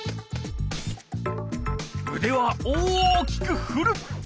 うでは大きくふる。